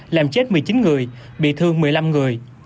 làm chết một mươi chín người bị thương một mươi năm người